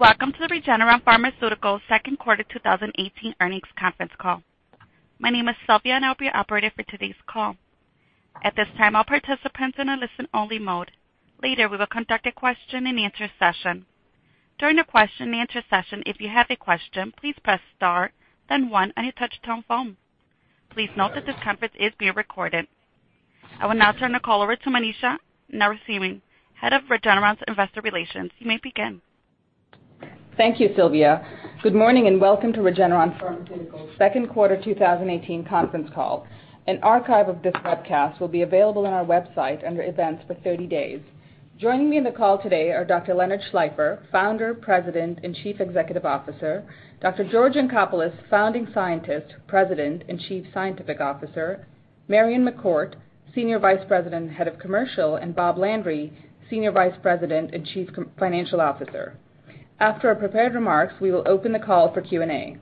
Welcome to the Regeneron Pharmaceuticals second quarter 2018 earnings conference call. My name is Sylvia, and I will be operating for today's call. At this time, all participants are in a listen-only mode. Later, we will conduct a question and answer session. During the question and answer session, if you have a question, please press star then one on your touch-tone phone. Please note that this conference is being recorded. I will now turn the call over to Manisha Narasimhan, head of Regeneron's Investor Relations. You may begin. Thank you, Sylvia. Good morning and welcome to Regeneron Pharmaceuticals' second quarter 2018 conference call. An archive of this webcast will be available on our website under Events for 30 days. Joining me on the call today are Dr. Leonard Schleifer, founder, president, and Chief Executive Officer, Dr. George Yancopoulos, founding scientist, president, and Chief Scientific Officer, Marion McCourt, Senior Vice President and Head of Commercial, and Bob Landry, Senior Vice President and Chief Financial Officer. After our prepared remarks, we will open the call for Q&A.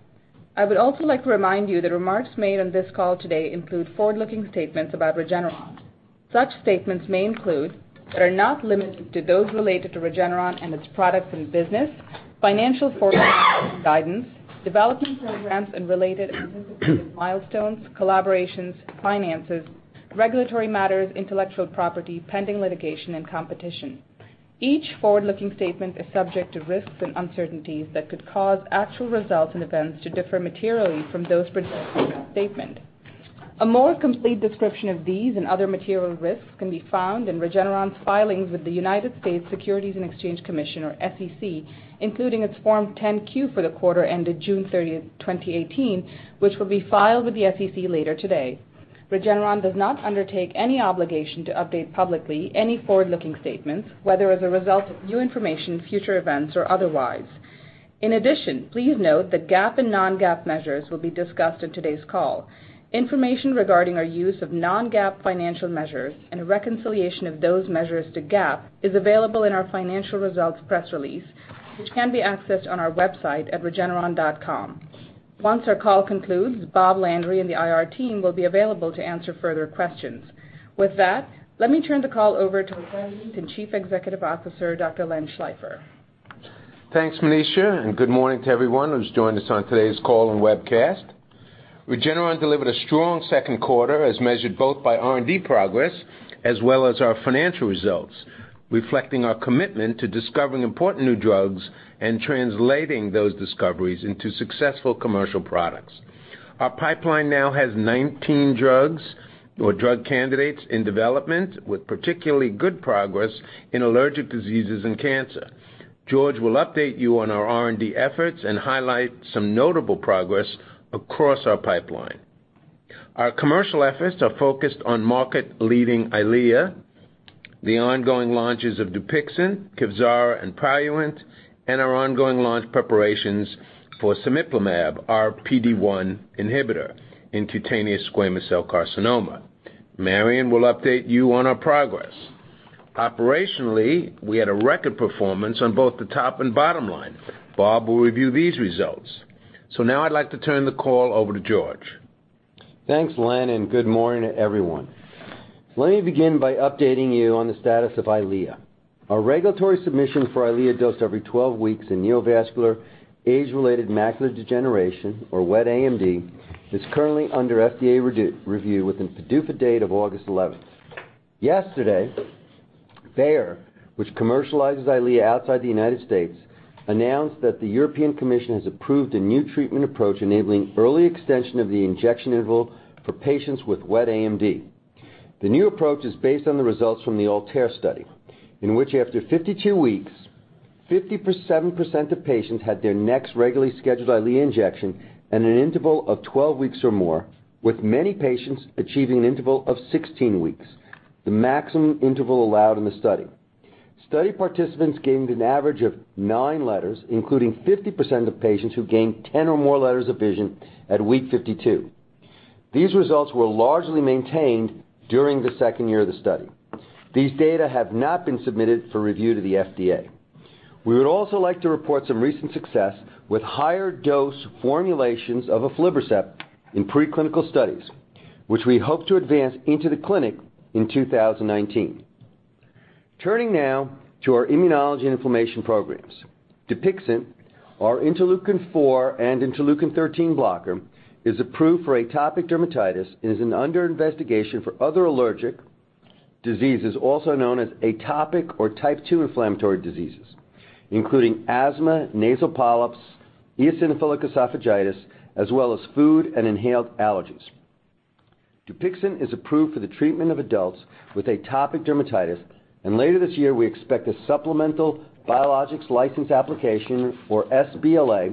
I would also like to remind you that remarks made on this call today include forward-looking statements about Regeneron. Such statements may include, but are not limited to, those related to Regeneron and its products and business, financial forecasts and guidance, development programs and related anticipated milestones, collaborations, finances, regulatory matters, intellectual property, pending litigation, and competition. Each forward-looking statement is subject to risks and uncertainties that could cause actual results and events to differ materially from those presented in that statement. A more complete description of these and other material risks can be found in Regeneron's filings with the U.S. Securities and Exchange Commission, or SEC, including its Form 10-Q for the quarter ended June 30, 2018, which will be filed with the SEC later today. Regeneron does not undertake any obligation to update publicly any forward-looking statements, whether as a result of new information, future events, or otherwise. In addition, please note that GAAP and non-GAAP measures will be discussed in today's call. Information regarding our use of non-GAAP financial measures and a reconciliation of those measures to GAAP is available in our financial results press release, which can be accessed on our website at regeneron.com. Once our call concludes, Bob Landry and the IR team will be available to answer further questions. With that, let me turn the call over to the founder and Chief Executive Officer, Dr. Len Schleifer. Thanks, Manisha, and good morning to everyone who's joined us on today's call and webcast. Regeneron delivered a strong second quarter, as measured both by R&D progress as well as our financial results, reflecting our commitment to discovering important new drugs and translating those discoveries into successful commercial products. Our pipeline now has 19 drugs or drug candidates in development, with particularly good progress in allergic diseases and cancer. George will update you on our R&D efforts and highlight some notable progress across our pipeline. Our commercial efforts are focused on market-leading EYLEA, the ongoing launches of DUPIXENT, KEVZARA, and PRALUENT, and our ongoing launch preparations for cemiplimab, our PD-1 inhibitor in cutaneous squamous cell carcinoma. Marion will update you on our progress. Operationally, we had a record performance on both the top and bottom line. Bob will review these results. Now I'd like to turn the call over to George. Thanks, Len, and good morning, everyone. Let me begin by updating you on the status of EYLEA. Our regulatory submission for EYLEA dosed every 12 weeks in neovascular age-related macular degeneration, or wet AMD, is currently under FDA review with a PDUFA date of August 11th. Yesterday, Bayer, which commercializes EYLEA outside the U.S., announced that the European Commission has approved a new treatment approach enabling early extension of the injection interval for patients with wet AMD. The new approach is based on the results from the ALTAIR study, in which, after 52 weeks, 57% of patients had their next regularly scheduled EYLEA injection at an interval of 12 weeks or more, with many patients achieving an interval of 16 weeks, the maximum interval allowed in the study. Study participants gained an average of nine letters, including 50% of patients who gained 10 or more letters of vision at week 52. These results were largely maintained during the second year of the study. These data have not been submitted for review to the FDA. We would also like to report some recent success with higher dose formulations of aflibercept in pre-clinical studies, which we hope to advance into the clinic in 2019. Turning now to our immunology and inflammation programs. DUPIXENT, our interleukin-4 and interleukin-13 blocker, is approved for atopic dermatitis and is under investigation for other allergic diseases, also known as atopic or type 2 inflammatory diseases, including asthma, nasal polyps, eosinophilic esophagitis, as well as food and inhaled allergies. DUPIXENT is approved for the treatment of adults with atopic dermatitis. Later this year, we expect a supplemental Biologics License Application, or sBLA,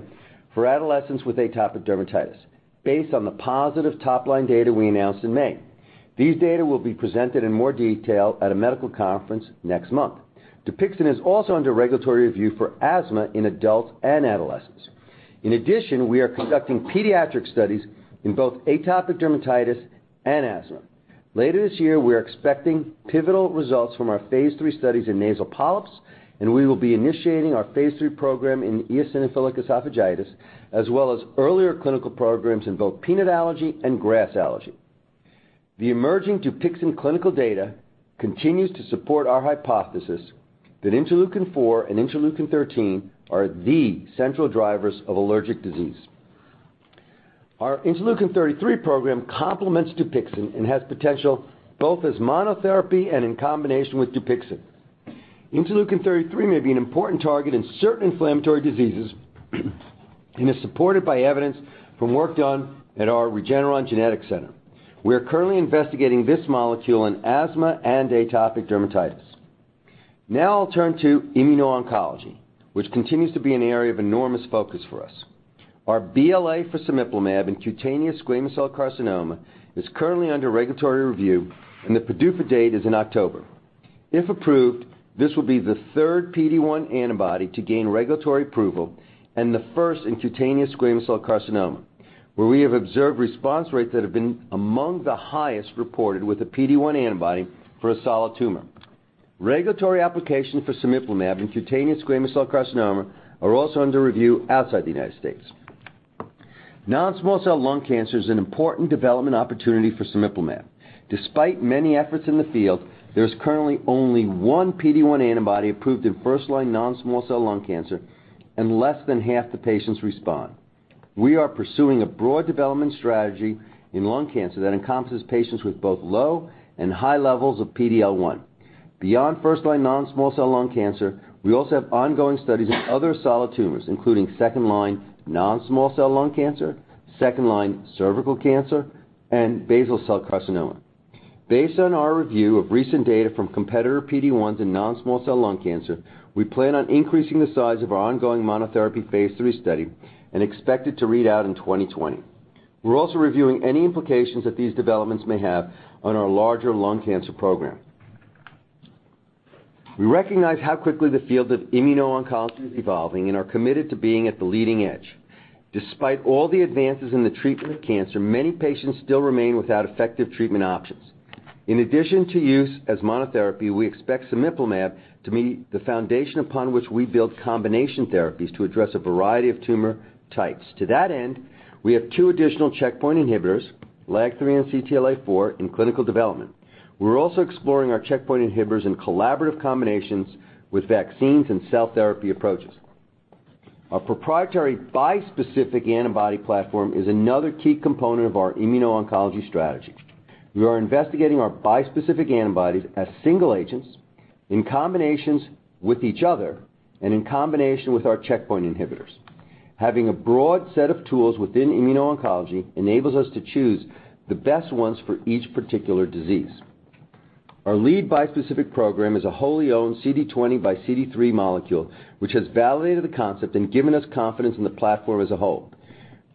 for adolescents with atopic dermatitis based on the positive top-line data we announced in May. These data will be presented in more detail at a medical conference next month. DUPIXENT is also under regulatory review for asthma in adults and adolescents. In addition, we are conducting pediatric studies in both atopic dermatitis and asthma. Later this year, we are expecting pivotal results from our phase III studies in nasal polyps, and we will be initiating our phase III program in eosinophilic esophagitis, as well as earlier clinical programs in both peanut allergy and grass allergy. The emerging DUPIXENT clinical data continues to support our hypothesis that interleukin-4 and interleukin-13 are the central drivers of allergic disease. Our interleukin-33 program complements DUPIXENT and has potential both as monotherapy and in combination with DUPIXENT. Interleukin-33 may be an important target in certain inflammatory diseases and is supported by evidence from work done at our Regeneron Genetics Center. We are currently investigating this molecule in asthma and atopic dermatitis. I'll turn to immuno-oncology, which continues to be an area of enormous focus for us. Our BLA for cemiplimab in cutaneous squamous cell carcinoma is currently under regulatory review. The PDUFA date is in October. If approved, this will be the third PD-1 antibody to gain regulatory approval and the first in cutaneous squamous cell carcinoma, where we have observed response rates that have been among the highest reported with a PD-1 antibody for a solid tumor. Regulatory application for cemiplimab in cutaneous squamous cell carcinoma are also under review outside the U.S. Non-small cell lung cancer is an important development opportunity for cemiplimab. Despite many efforts in the field, there's currently only one PD-1 antibody approved in first-line non-small cell lung cancer, and less than half the patients respond. We are pursuing a broad development strategy in lung cancer that encompasses patients with both low and high levels of PD-L1. Beyond first-line non-small cell lung cancer, we also have ongoing studies in other solid tumors, including second-line non-small cell lung cancer, second-line cervical cancer, and basal cell carcinoma. Based on our review of recent data from competitor PD-1s in non-small cell lung cancer, we plan on increasing the size of our ongoing monotherapy phase III study and expect it to read out in 2020. We're also reviewing any implications that these developments may have on our larger lung cancer program. We recognize how quickly the field of immuno-oncology is evolving and are committed to being at the leading edge. Despite all the advances in the treatment of cancer, many patients still remain without effective treatment options. In addition to use as monotherapy, we expect cemiplimab to be the foundation upon which we build combination therapies to address a variety of tumor types. To that end, we have two additional checkpoint inhibitors, LAG-3 and CTLA-4, in clinical development. We're also exploring our checkpoint inhibitors in collaborative combinations with vaccines and cell therapy approaches. Our proprietary bispecific antibody platform is another key component of our immuno-oncology strategy. We are investigating our bispecific antibodies as single agents, in combinations with each other, and in combination with our checkpoint inhibitors. Having a broad set of tools within immuno-oncology enables us to choose the best ones for each particular disease. Our lead bispecific program is a wholly-owned CD20 by CD3 molecule, which has validated the concept and given us confidence in the platform as a whole.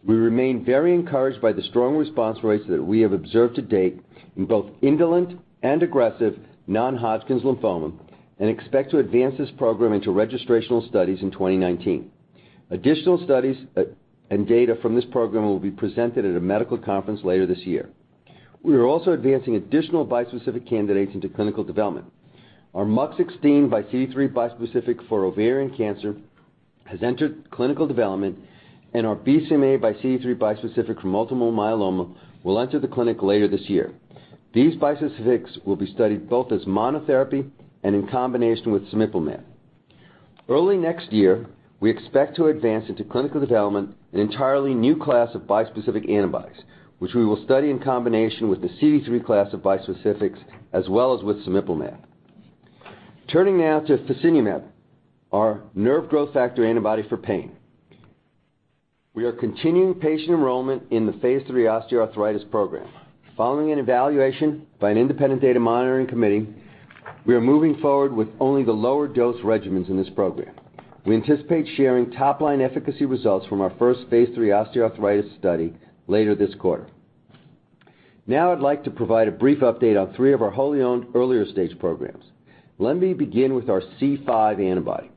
We remain very encouraged by the strong response rates that we have observed to date in both indolent and aggressive non-Hodgkin's lymphoma, and expect to advance this program into registrational studies in 2019. Additional studies and data from this program will be presented at a medical conference later this year. We are also advancing additional bispecific candidates into clinical development. Our MUC16 by CD3 bispecific for ovarian cancer has entered clinical development, and our BCMA by CD3 bispecific for multiple myeloma will enter the clinic later this year. These bispecifics will be studied both as monotherapy and in combination with cemiplimab. Early next year, we expect to advance into clinical development an entirely new class of bispecific antibodies, which we will study in combination with the CD3 class of bispecifics, as well as with cemiplimab. Turning now to fasinumab, our nerve growth factor antibody for pain. We are continuing patient enrollment in the phase III osteoarthritis program. Following an evaluation by an independent data monitoring committee, we are moving forward with only the lower dose regimens in this program. We anticipate sharing top-line efficacy results from our first phase III osteoarthritis study later this quarter. Now I'd like to provide a brief update on three of our wholly-owned earlier stage programs. Let me begin with our C5 antibody.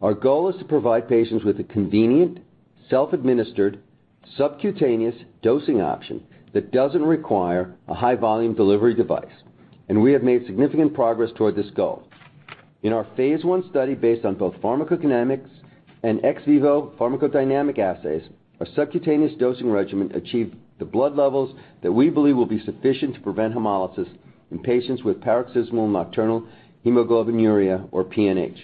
Our goal is to provide patients with a convenient, self-administered, subcutaneous dosing option that doesn't require a high volume delivery device, and we have made significant progress toward this goal. In our phase I study, based on both pharmacokinetics and ex vivo pharmacodynamic assays, a subcutaneous dosing regimen achieved the blood levels that we believe will be sufficient to prevent hemolysis in patients with paroxysmal nocturnal hemoglobinuria, or PNH.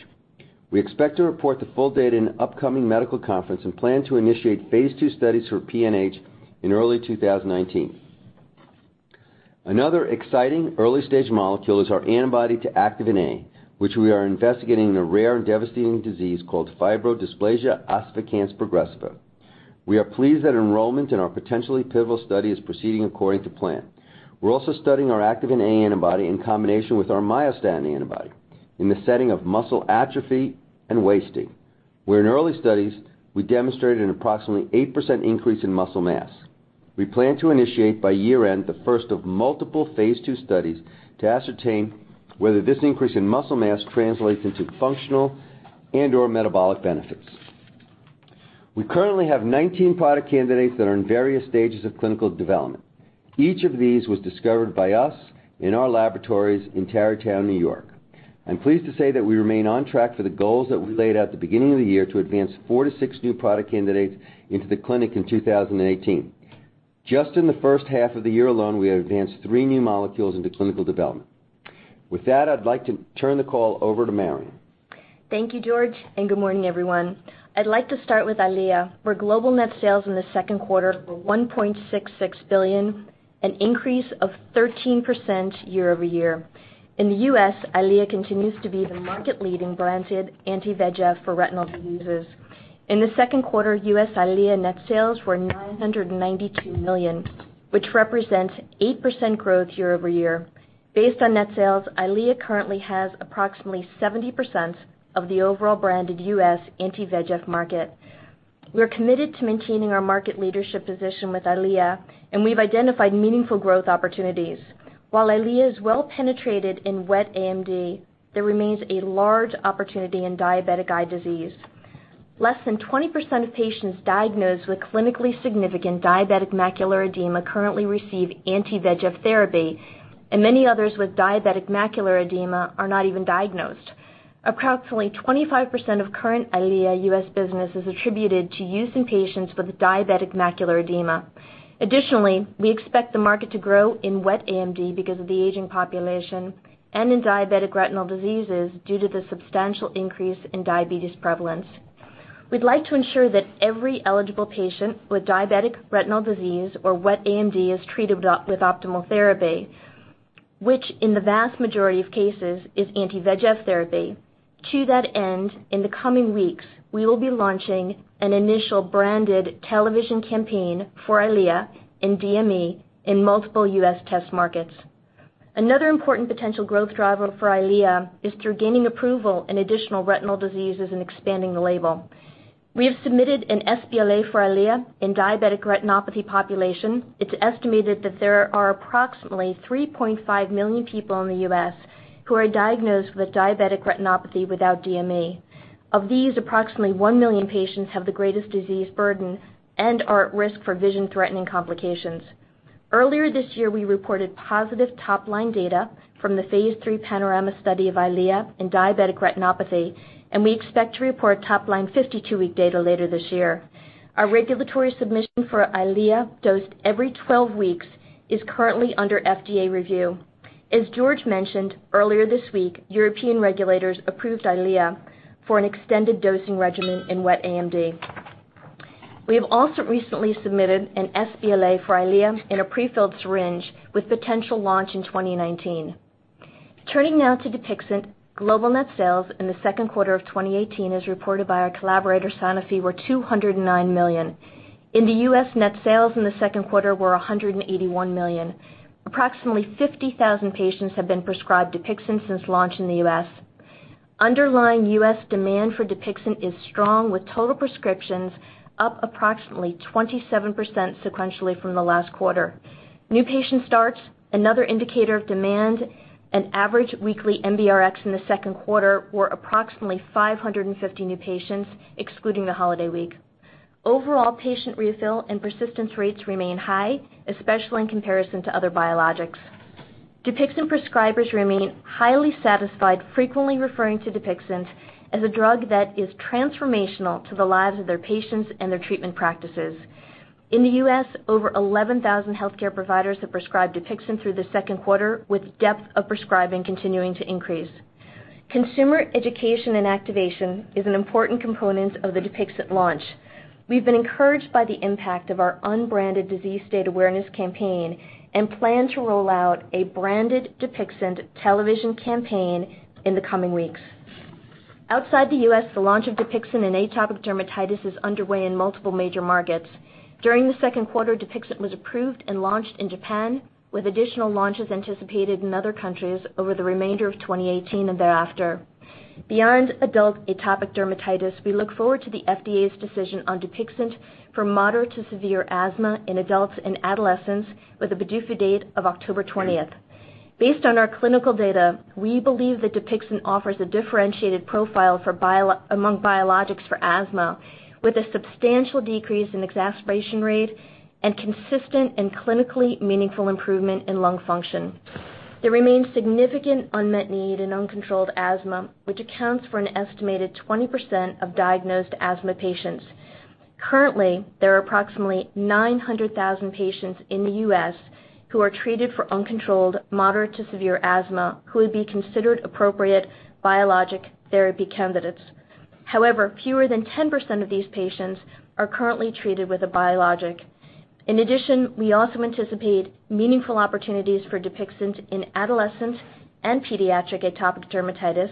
We expect to report the full data in an upcoming medical conference and plan to initiate phase II studies for PNH in early 2019. Another exciting early stage molecule is our antibody to activin A, which we are investigating in a rare and devastating disease called fibrodysplasia ossificans progressiva. We are pleased that enrollment in our potentially pivotal study is proceeding according to plan. We're also studying our activin A antibody in combination with our myostatin antibody in the setting of muscle atrophy and wasting, where in early studies, we demonstrated an approximately 8% increase in muscle mass. We plan to initiate by year-end the first of multiple phase II studies to ascertain whether this increase in muscle mass translates into functional and/or metabolic benefits. We currently have 19 product candidates that are in various stages of clinical development. Each of these was discovered by us in our laboratories in Tarrytown, New York. I'm pleased to say that we remain on track for the goals that we laid out at the beginning of the year to advance four to six new product candidates into the clinic in 2018. Just in the first half of the year alone, we have advanced three new molecules into clinical development. I'd like to turn the call over to Marion. Thank you, George, and good morning, everyone. I'd like to start with EYLEA, where global net sales in the second quarter were $1.66 billion, an increase of 13% year-over-year. In the U.S., EYLEA continues to be the market-leading branded anti-VEGF for retinal diseases. In the second quarter, U.S. EYLEA net sales were $992 million, which represents 8% growth year-over-year. Based on net sales, EYLEA currently has approximately 70% of the overall branded U.S. anti-VEGF market. We're committed to maintaining our market leadership position with EYLEA, we've identified meaningful growth opportunities. While EYLEA is well-penetrated in wet AMD, there remains a large opportunity in diabetic eye disease. Less than 20% of patients diagnosed with clinically significant diabetic macular edema currently receive anti-VEGF therapy, many others with diabetic macular edema are not even diagnosed. Approximately 25% of current EYLEA U.S. business is attributed to use in patients with diabetic macular edema. We expect the market to grow in wet AMD because of the aging population and in diabetic retinal diseases due to the substantial increase in diabetes prevalence. We'd like to ensure that every eligible patient with diabetic retinal disease or wet AMD is treated with optimal therapy, which in the vast majority of cases is anti-VEGF therapy. To that end, in the coming weeks, we will be launching an initial branded television campaign for EYLEA in DME in multiple U.S. test markets. Another important potential growth driver for EYLEA is through gaining approval in additional retinal diseases and expanding the label. We have submitted an sBLA for EYLEA in diabetic retinopathy population. It's estimated that there are approximately 3.5 million people in the U.S. who are diagnosed with diabetic retinopathy without DME. Of these, approximately one million patients have the greatest disease burden and are at risk for vision-threatening complications. Earlier this year, we reported positive top-line data from the phase III PANORAMA study of EYLEA in diabetic retinopathy, we expect to report top-line 52-week data later this year. Our regulatory submission for EYLEA dosed every 12 weeks is currently under FDA review. As George mentioned earlier this week, European regulators approved EYLEA for an extended dosing regimen in wet AMD. We have recently submitted an sBLA for EYLEA in a pre-filled syringe with potential launch in 2019. Turning now to DUPIXENT. Global net sales in the second quarter of 2018, as reported by our collaborator, Sanofi, were $209 million. In the U.S., net sales in the second quarter were $181 million. Approximately 50,000 patients have been prescribed DUPIXENT since launch in the U.S. Underlying U.S. demand for DUPIXENT is strong, with total prescriptions up approximately 27% sequentially from the last quarter. New patient starts, another indicator of demand, average weekly NBRx in the second quarter were approximately 550 new patients, excluding the holiday week. Patient refill and persistence rates remain high, especially in comparison to other biologics. DUPIXENT prescribers remain highly satisfied, frequently referring to DUPIXENT as a drug that is transformational to the lives of their patients and their treatment practices. In the U.S., over 11,000 healthcare providers have prescribed DUPIXENT through the second quarter, with depth of prescribing continuing to increase. Consumer education and activation is an important component of the DUPIXENT launch. We've been encouraged by the impact of our unbranded disease state awareness campaign, plan to roll out a branded DUPIXENT television campaign in the coming weeks. Outside the U.S., the launch of DUPIXENT in atopic dermatitis is underway in multiple major markets. During the second quarter, DUPIXENT was approved and launched in Japan, with additional launches anticipated in other countries over the remainder of 2018 and thereafter. Beyond adult atopic dermatitis, we look forward to the FDA's decision on DUPIXENT for moderate to severe asthma in adults and adolescents with a PDUFA date of October 20th. Based on our clinical data, we believe that DUPIXENT offers a differentiated profile among biologics for asthma, with a substantial decrease in exacerbation rate and consistent and clinically meaningful improvement in lung function. There remains significant unmet need in uncontrolled asthma, which accounts for an estimated 20% of diagnosed asthma patients. Currently, there are approximately 900,000 patients in the U.S. who are treated for uncontrolled moderate to severe asthma who would be considered appropriate biologic therapy candidates. Fewer than 10% of these patients are currently treated with a biologic. We also anticipate meaningful opportunities for DUPIXENT in adolescent and pediatric atopic dermatitis,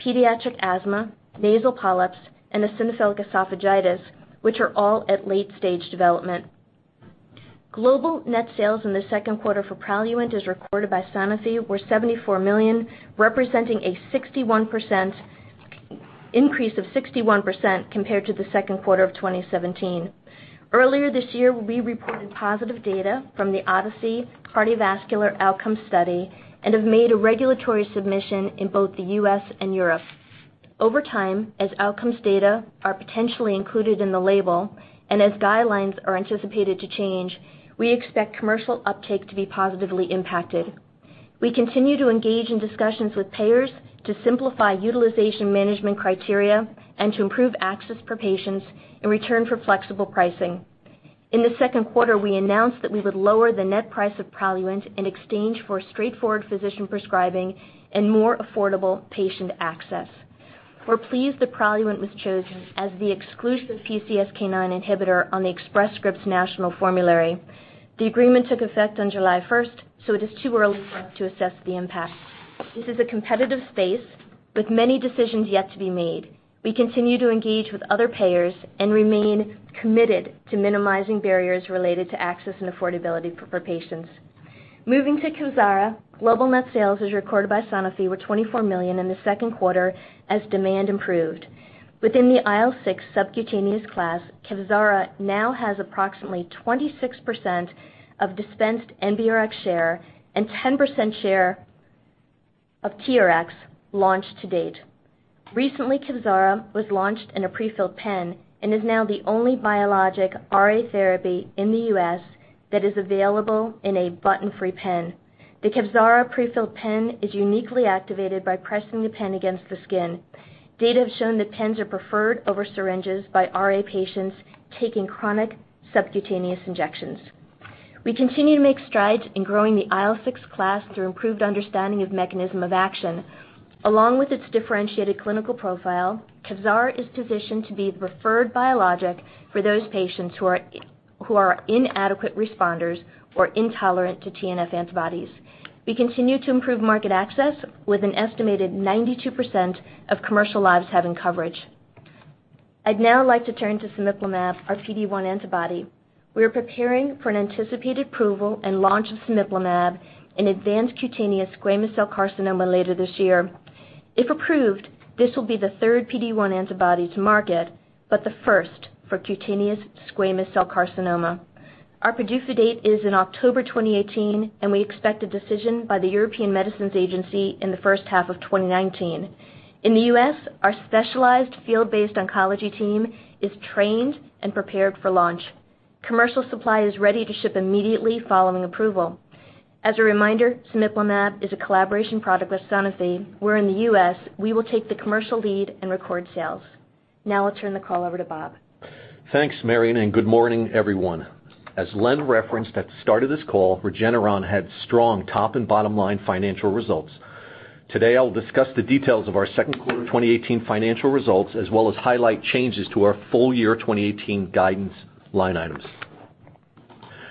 pediatric asthma, nasal polyps, and eosinophilic esophagitis, which are all at late-stage development. Global net sales in the second quarter for PRALUENT, as recorded by Sanofi, were $74 million, representing an increase of 61% compared to the second quarter of 2017. Earlier this year, we reported positive data from the ODYSSEY cardiovascular outcome study and have made a regulatory submission in both the U.S. and Europe. As outcomes data are potentially included in the label and as guidelines are anticipated to change, we expect commercial uptake to be positively impacted. We continue to engage in discussions with payers to simplify utilization management criteria and to improve access for patients in return for flexible pricing. In the second quarter, we announced that we would lower the net price of PRALUENT in exchange for straightforward physician prescribing and more affordable patient access. We're pleased that PRALUENT was chosen as the exclusive PCSK9 inhibitor on the Express Scripts national formulary. The agreement took effect on July 1st, it is too early for us to assess the impact. This is a competitive space with many decisions yet to be made. We continue to engage with other payers and remain committed to minimizing barriers related to access and affordability for patients. Moving to KEVZARA, global net sales as recorded by Sanofi were $24 million in the second quarter as demand improved. Within the IL-6 subcutaneous class, KEVZARA now has approximately 26% of dispensed NBRx share and 10% share of TRX launched to date. Recently, KEVZARA was launched in a prefilled pen and is now the only biologic RA therapy in the U.S. that is available in a button-free pen. The KEVZARA prefilled pen is uniquely activated by pressing the pen against the skin. Data have shown that pens are preferred over syringes by RA patients taking chronic subcutaneous injections. We continue to make strides in growing the IL-6 class through improved understanding of mechanism of action. Along with its differentiated clinical profile, KEVZARA is positioned to be the preferred biologic for those patients who are inadequate responders or intolerant to TNF antibodies. We continue to improve market access with an estimated 92% of commercial lives having coverage. I'd now like to turn to cemiplimab, our PD-1 antibody. We are preparing for an anticipated approval and launch of cemiplimab in advanced cutaneous squamous cell carcinoma later this year. If approved, this will be the third PD-1 antibody to market, but the first for cutaneous squamous cell carcinoma. Our PDUFA date is in October 2018, and we expect a decision by the European Medicines Agency in the first half of 2019. In the U.S., our specialized field-based oncology team is trained and prepared for launch. Commercial supply is ready to ship immediately following approval. As a reminder, cemiplimab is a collaboration product with Sanofi, where in the U.S., we will take the commercial lead and record sales. I'll turn the call over to Bob. Thanks, Marion. Good morning, everyone. As Len referenced at the start of this call, Regeneron had strong top and bottom-line financial results. Today, I'll discuss the details of our second quarter 2018 financial results, as well as highlight changes to our full year 2018 guidance line items.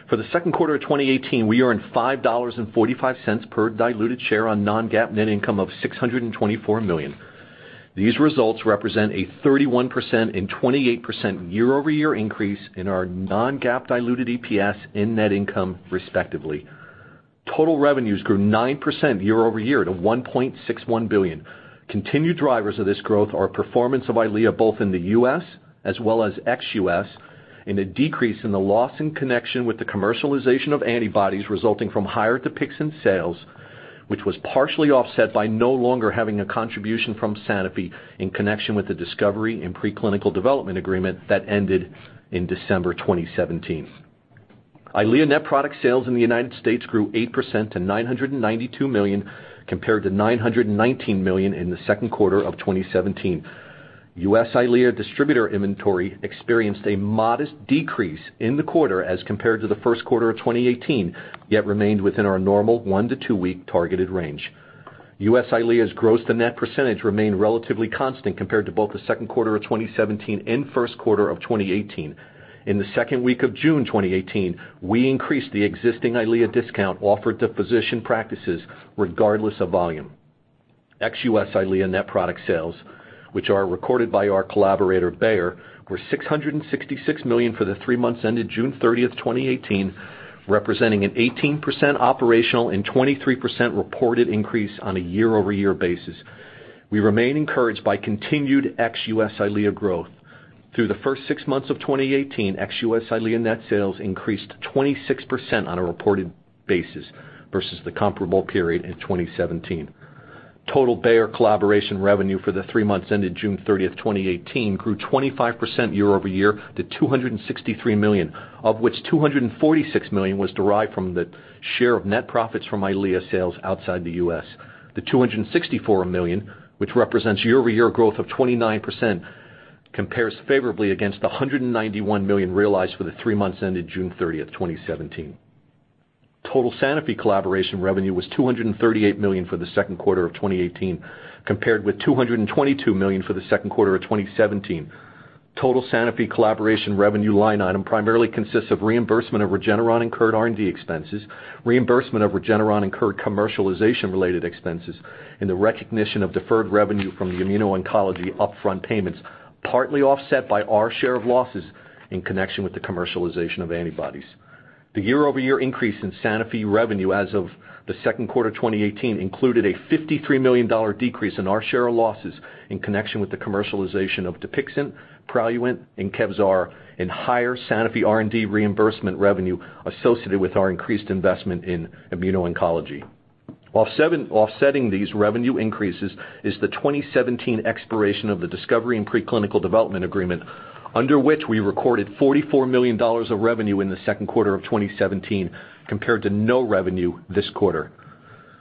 For the second quarter of 2018, we earned $5.45 per diluted share on non-GAAP net income of $624 million. These results represent a 31% and 28% year-over-year increase in our non-GAAP diluted EPS and net income, respectively. Total revenues grew 9% year-over-year to $1.61 billion. Continued drivers of this growth are performance of EYLEA, both in the U.S. as well as ex-U.S. A decrease in the loss in connection with the commercialization of antibodies resulting from higher DUPIXENT sales, which was partially offset by no longer having a contribution from Sanofi in connection with the discovery and preclinical development agreement that ended in December 2017. EYLEA net product sales in the United States grew 8% to $992 million, compared to $919 million in the second quarter of 2017. U.S. EYLEA distributor inventory experienced a modest decrease in the quarter as compared to the first quarter of 2018, yet remained within our normal one to two-week targeted range. U.S. EYLEA's gross to net percentage remained relatively constant compared to both the second quarter of 2017 and first quarter of 2018. In the second week of June 2018, we increased the existing EYLEA discount offered to physician practices regardless of volume. Ex-U.S. EYLEA net product sales, which are recorded by our collaborator Bayer, were $666 million for the three months ended June 30th, 2018, representing an 18% operational and 23% reported increase on a year-over-year basis. We remain encouraged by continued ex-U.S. EYLEA growth. Through the first six months of 2018, ex-U.S. EYLEA net sales increased 26% on a reported basis versus the comparable period in 2017. Total Bayer collaboration revenue for the three months ended June 30th, 2018, grew 25% year-over-year to $263 million, of which $246 million was derived from the share of net profits from EYLEA sales outside the U.S. The $264 million, which represents year-over-year growth of 29%, compares favorably against the $191 million realized for the three months ended June 30th, 2017. Total Sanofi collaboration revenue was $238 million for the second quarter of 2018, compared with $222 million for the second quarter of 2017. Total Sanofi collaboration revenue line item primarily consists of reimbursement of Regeneron incurred R&D expenses, reimbursement of Regeneron incurred commercialization-related expenses, and the recognition of deferred revenue from the immuno-oncology upfront payments, partly offset by our share of losses in connection with the commercialization of antibodies. The year-over-year increase in Sanofi revenue as of the second quarter 2018 included a $53 million decrease in our share of losses in connection with the commercialization of DUPIXENT, PRALUENT, and KEVZARA and higher Sanofi R&D reimbursement revenue associated with our increased investment in immuno-oncology. Offsetting these revenue increases is the 2017 expiration of the discovery and preclinical development agreement, under which we recorded $44 million of revenue in the second quarter of 2017, compared to no revenue this quarter.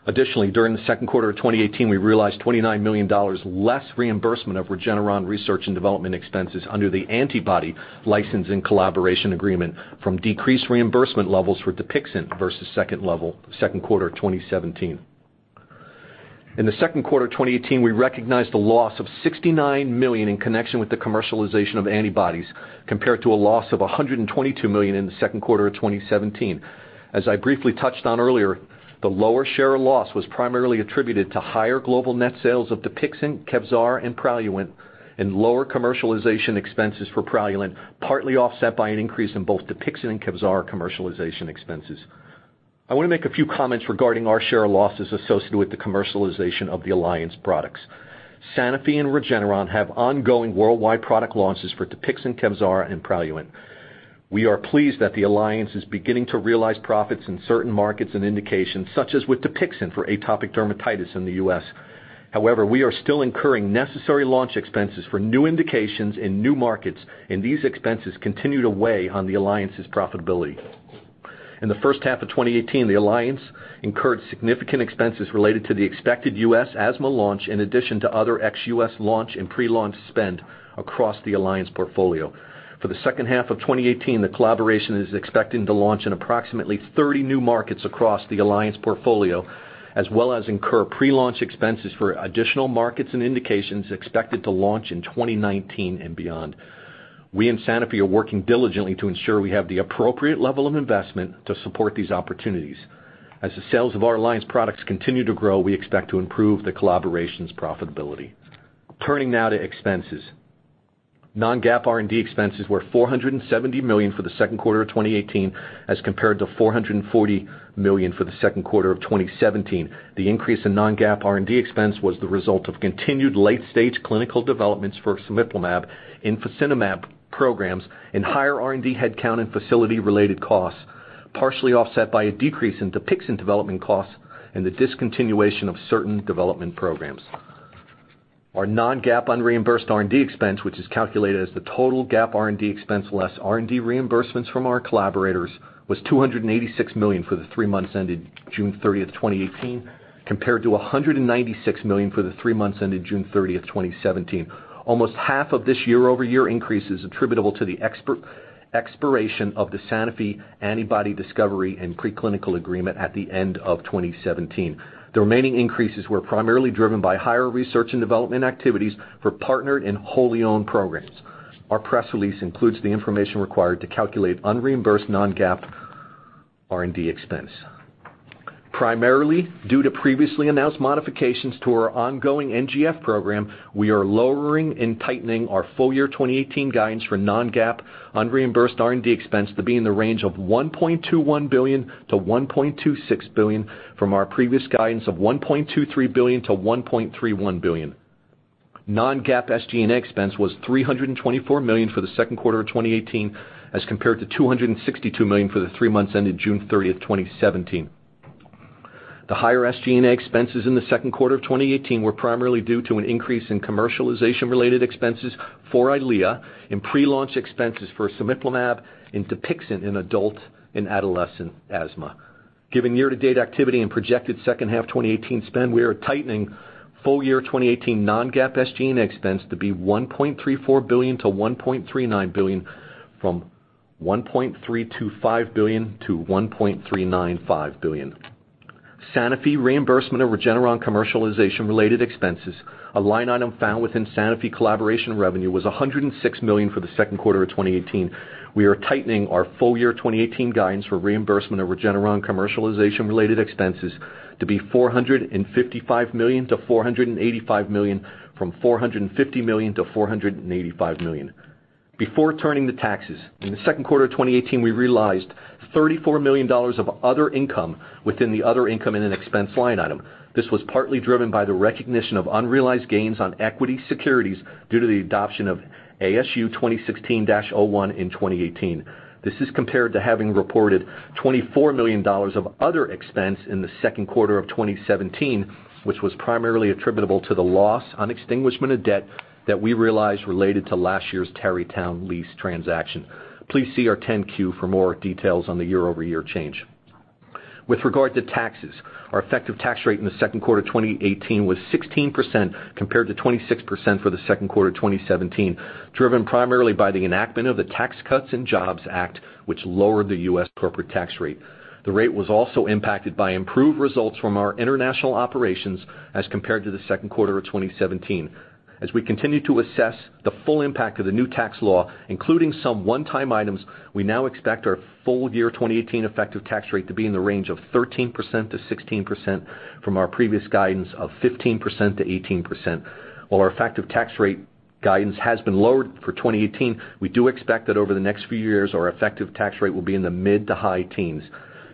Additionally, during the second quarter of 2018, we realized $29 million less reimbursement of Regeneron research and development expenses under the antibody license and collaboration agreement from decreased reimbursement levels for DUPIXENT versus second quarter of 2017. In the second quarter of 2018, we recognized a loss of $69 million in connection with the commercialization of antibodies, compared to a loss of $122 million in the second quarter of 2017. As I briefly touched on earlier, the lower share of loss was primarily attributed to higher global net sales of DUPIXENT, KEVZARA, and PRALUENT, and lower commercialization expenses for PRALUENT, partly offset by an increase in both DUPIXENT and KEVZARA commercialization expenses. I want to make a few comments regarding our share of losses associated with the commercialization of the alliance products. Sanofi and Regeneron have ongoing worldwide product launches for DUPIXENT, KEVZARA, and PRALUENT. We are pleased that the alliance is beginning to realize profits in certain markets and indications, such as with DUPIXENT for atopic dermatitis in the U.S. However, we are still incurring necessary launch expenses for new indications in new markets, and these expenses continue to weigh on the alliance's profitability. In the first half of 2018, the alliance incurred significant expenses related to the expected U.S. asthma launch, in addition to other ex-U.S. launch and pre-launch spend across the alliance portfolio. For the second half of 2018, the collaboration is expecting to launch in approximately 30 new markets across the alliance portfolio, as well as incur pre-launch expenses for additional markets and indications expected to launch in 2019 and beyond. We and Sanofi are working diligently to ensure we have the appropriate level of investment to support these opportunities. As the sales of our alliance products continue to grow, we expect to improve the collaboration's profitability. Turning now to expenses. Non-GAAP R&D expenses were $470 million for the second quarter of 2018, as compared to $440 million for the second quarter of 2017. The increase in non-GAAP R&D expense was the result of continued late-stage clinical developments for cemiplimab, fasinumab programs, and higher R&D headcount and facility-related costs, partially offset by a decrease in DUPIXENT development costs and the discontinuation of certain development programs. Our non-GAAP unreimbursed R&D expense, which is calculated as the total GAAP R&D expense less R&D reimbursements from our collaborators, was $286 million for the three months ended June 30th, 2018, compared to $196 million for the three months ended June 30th, 2017. Almost half of this year-over-year increase is attributable to the expiration of the Sanofi antibody discovery and preclinical agreement at the end of 2017. The remaining increases were primarily driven by higher research and development activities for partnered and wholly-owned programs. Our press release includes the information required to calculate unreimbursed non-GAAP R&D expense. Primarily due to previously announced modifications to our ongoing NGF program, we are lowering and tightening our full year 2018 guidance for non-GAAP unreimbursed R&D expense to be in the range of $1.21 billion-$1.26 billion from our previous guidance of $1.23 billion-$1.31 billion. Non-GAAP SG&A expense was $324 million for the second quarter of 2018, as compared to $262 million for the three months ended June 30th, 2017. The higher SG&A expenses in the second quarter of 2018 were primarily due to an increase in commercialization related expenses for EYLEA and pre-launch expenses for cemiplimab and DUPIXENT in adult and adolescent asthma. Given year-to-date activity and projected second half 2018 spend, we are tightening full year 2018 non-GAAP SG&A expense to be $1.34 billion-$1.39 billion from $1.325 billion-$1.395 billion. Sanofi reimbursement of Regeneron commercialization related expenses, a line item found within Sanofi collaboration revenue, was $106 million for the second quarter of 2018. We are tightening our full year 2018 guidance for reimbursement of Regeneron commercialization related expenses to be $455 million-$485 million from $450 million-$485 million. Before turning to taxes, in the second quarter of 2018, we realized $34 million of other income within the other income and an expense line item. This was partly driven by the recognition of unrealized gains on equity securities due to the adoption of ASU 2016-01 in 2018. This is compared to having reported $24 million of other expense in the second quarter of 2017, which was primarily attributable to the loss on extinguishment of debt that we realized related to last year's Tarrytown lease transaction. Please see our 10-Q for more details on the year-over-year change. With regard to taxes, our effective tax rate in the second quarter of 2018 was 16% compared to 26% for the second quarter of 2017, driven primarily by the enactment of the Tax Cuts and Jobs Act, which lowered the U.S. corporate tax rate. The rate was also impacted by improved results from our international operations as compared to the second quarter of 2017. As we continue to assess the full impact of the new tax law, including some one-time items, we now expect our full year 2018 effective tax rate to be in the range of 13%-16% from our previous guidance of 15%-18%. While our effective tax rate guidance has been lowered for 2018, we do expect that over the next few years, our effective tax rate will be in the mid to high teens.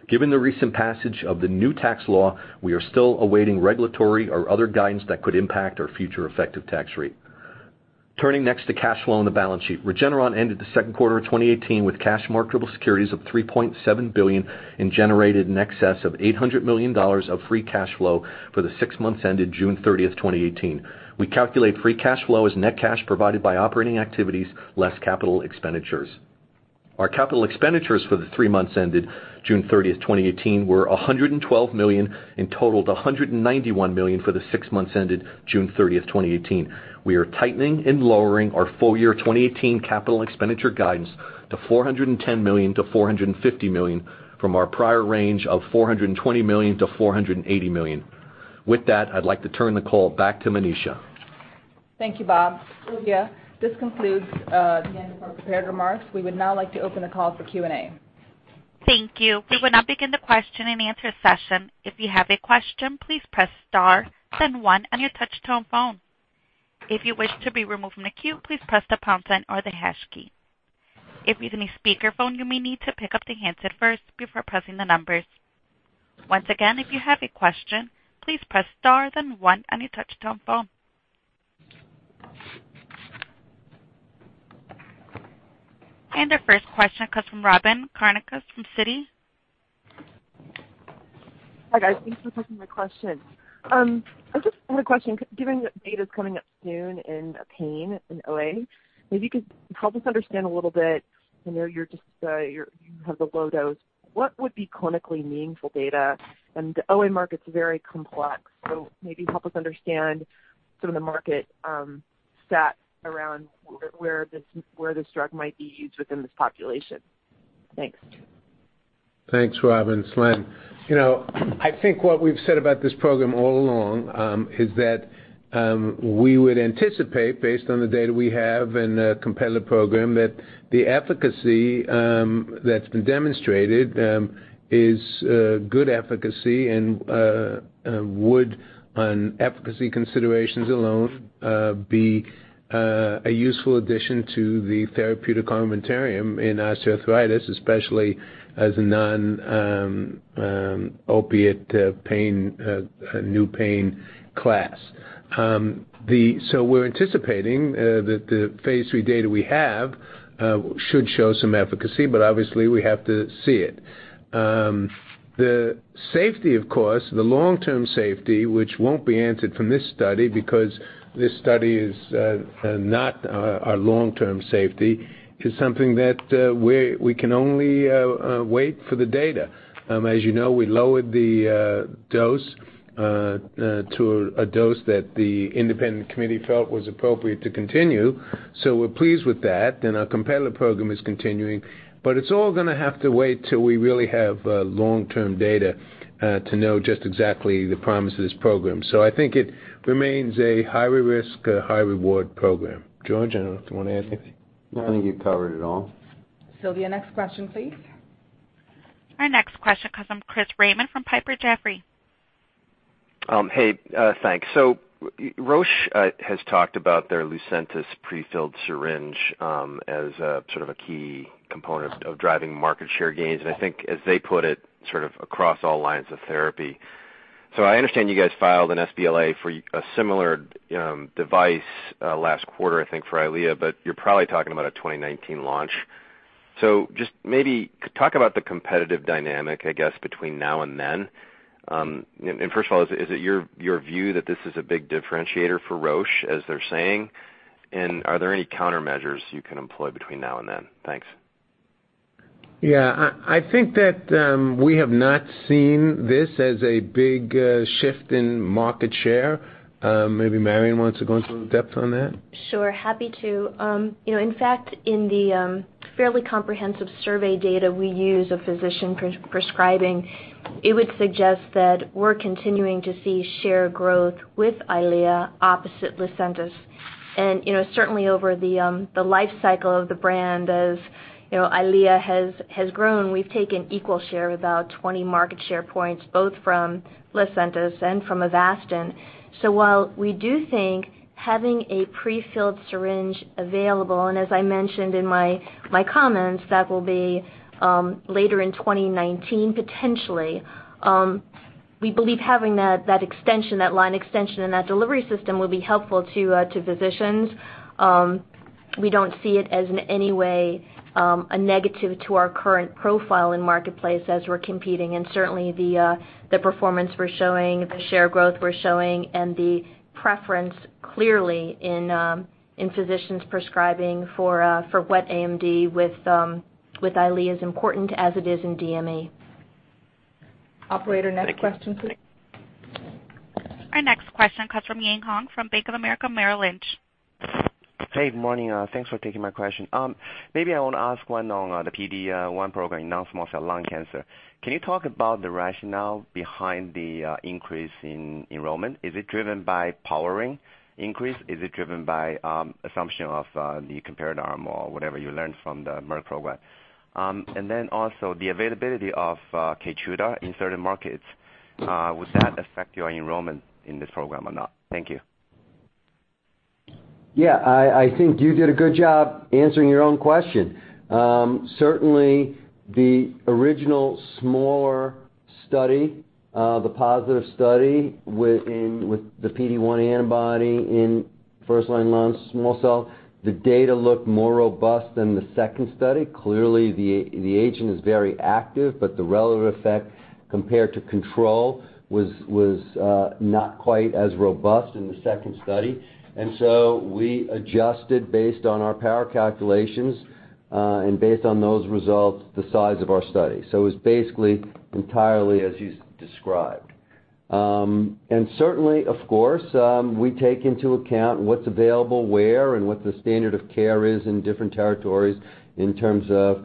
Given the recent passage of the new tax law, we are still awaiting regulatory or other guidance that could impact our future effective tax rate. Turning next to cash flow on the balance sheet. Regeneron ended the second quarter of 2018 with cash marketable securities of $3.7 billion and generated in excess of $800 million of free cash flow for the six months ended June 30th, 2018. We calculate free cash flow as net cash provided by operating activities less capital expenditures. Our capital expenditures for the three months ended June 30th, 2018, were $112 million and totaled $191 million for the six months ended June 30th, 2018. We are tightening and lowering our full year 2018 capital expenditure guidance to $410 million-$450 million from our prior range of $420 million-$480 million. With that, I'd like to turn the call back to Manisha. Thank you, Bob. Sylvia, this concludes the end of our prepared remarks. We would now like to open the call for Q&A. Thank you. We will now begin the question and answer session. If you have a question, please press star then one on your touch tone phone. If you wish to be removed from the queue, please press the pound sign or the hash key. If you're using a speakerphone, you may need to pick up the handset first before pressing the numbers. Once again, if you have a question, please press star then one on your touch tone phone. Our first question comes from Robyn Karnik from Citi. Hi, guys. Thanks for taking my question. I just had a question, given that data's coming up soon in pain in OA, maybe you could help us understand a little bit, you have the low dose, what would be clinically meaningful data? The OA market's very complex, so maybe help us understand some of the market stats around where this drug might be used within this population. Thanks. Thanks, Robyn. Len. I think what we've said about this program all along, is that we would anticipate, based on the data we have and the competitive program, that the efficacy that's been demonstrated is good efficacy and would, on efficacy considerations alone, be a useful addition to the therapeutic armamentarium in osteoarthritis, especially as a non-opiate pain, a new pain class. We're anticipating that the phase III data we have should show some efficacy, but obviously we have to see it. The safety, of course, the long-term safety, which won't be answered from this study because this study is not our long-term safety, is something that we can only wait for the data. As you know, we lowered the dose to a dose that the independent committee felt was appropriate to continue. We're pleased with that, and our competitive program is continuing. It's all going to have to wait till we really have long-term data to know just exactly the promise of this program. I think it remains a high risk, high reward program. George, I don't know if you want to add anything. No, I think you covered it all. Sylvia, next question, please. Our next question comes from Christopher Raymond from Piper Jaffray. Hey, thanks. Roche has talked about their Lucentis prefilled syringe as sort of a key component of driving market share gains, and I think as they put it, sort of across all lines of therapy. I understand you guys filed an sBLA for a similar device last quarter, I think, for EYLEA, but you're probably talking about a 2019 launch. Just maybe talk about the competitive dynamic, I guess, between now and then. First of all, is it your view that this is a big differentiator for Roche, as they're saying? Are there any countermeasures you can employ between now and then? Thanks. Yeah. I think that we have not seen this as a big shift in market share. Maybe Marion wants to go into a little depth on that. Sure. Happy to. In fact, in the fairly comprehensive survey data we use of physician prescribing, it would suggest that we're continuing to see share growth with EYLEA opposite Lucentis. Certainly over the life cycle of the brand as EYLEA has grown, we've taken equal share, about 20 market share points, both from Lucentis and from Avastin. While we do think having a prefilled syringe available, and as I mentioned in my comments, that will be later in 2019, potentially. We believe having that extension, that line extension and that delivery system will be helpful to physicians. We don't see it as in any way a negative to our current profile in marketplace as we're competing and certainly the performance we're showing, the share growth we're showing, and the preference clearly in physicians prescribing for wet AMD with EYLEA is important as it is in DME. Operator, next question, please. Our next question comes from Ying Huang from Bank of America Merrill Lynch. Hey, good morning. Thanks for taking my question. Maybe I want to ask one on the PD-1 program in non-small cell lung cancer. Can you talk about the rationale behind the increase in enrollment? Is it driven by powering increase? Is it driven by assumption of the comparator arm or whatever you learned from the Merck program? Then also the availability of KEYTRUDA in certain markets, would that affect your enrollment in this program or not? Thank you. Yeah, I think you did a good job answering your own question. Certainly, the original smaller study, the positive study with the PD-1 antibody in first-line non-small cell, the data looked more robust than the second study. Clearly, the agent is very active, but the relative effect compared to control was not quite as robust in the second study. We adjusted based on our power calculations, and based on those results, the size of our study. It was basically entirely as you described. Certainly, of course, we take into account what's available where, and what the standard of care is in different territories in terms of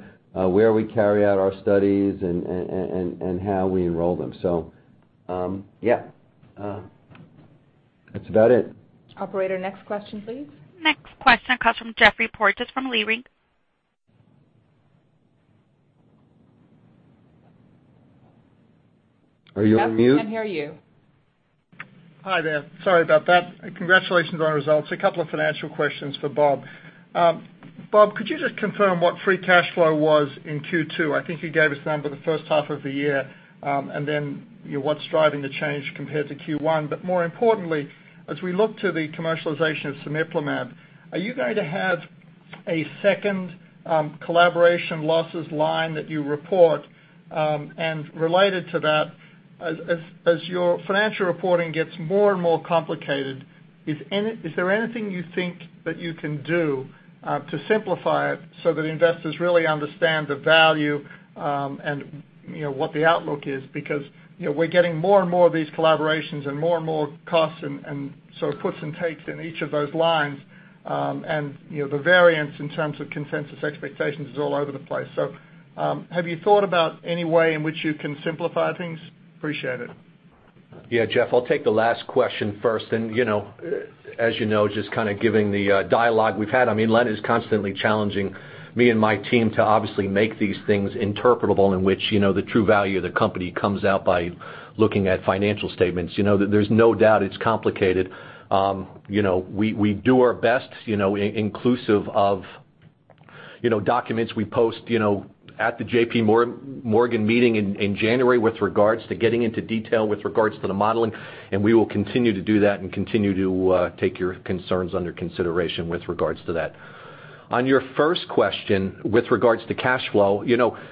where we carry out our studies and how we enroll them. Yeah. That's about it. Operator, next question, please. Next question comes from Geoffrey Porges from Leerink. Are you on mute? Geoff, we can't hear you. Hi there. Sorry about that. Congratulations on the results. A couple of financial questions for Bob. Bob, could you just confirm what free cash flow was in Q2? I think you gave us a number the first half of the year, what's driving the change compared to Q1. More importantly, as we look to the commercialization of cemiplimab, are you going to have a second collaboration losses line that you report? Related to that, as your financial reporting gets more and more complicated, is there anything you think that you can do to simplify it so that investors really understand the value, and what the outlook is? We're getting more and more of these collaborations and more and more costs, it puts and takes in each of those lines. The variance in terms of consensus expectations is all over the place. Have you thought about any way in which you can simplify things? Appreciate it. Yeah, Geoff, I'll take the last question first. As you know, just giving the dialogue we've had, I mean, Len is constantly challenging me and my team to obviously make these things interpretable in which the true value of the company comes out by looking at financial statements. There's no doubt it's complicated. We do our best inclusive of documents we post at the J.P. Morgan meeting in January with regards to getting into detail with regards to the modeling, we will continue to do that and continue to take your concerns under consideration with regards to that. On your first question with regards to cash flow,